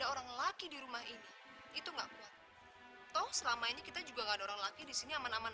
orang laki di rumah ini itu enggak buat toh selama ini kita juga enggak ada orang laki di sini aman aman